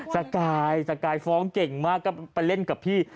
สกายสกายฟ้องเก่งมากก็ไปเล่นกับพี่